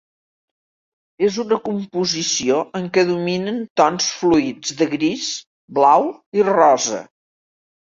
És una composició en què dominen tons fluids de gris, blau i rosa.